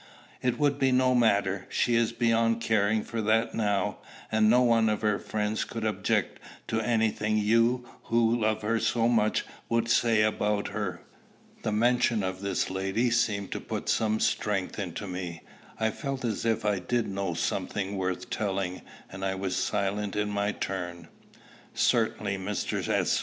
"It would be no matter. She is beyond caring for that now; and not one of her friends could object to any thing you who loved her so much would say about her." The mention of this lady seemed to put some strength into me. I felt as if I did know something worth telling, and I was silent in my turn. "Certainly," Mr. S.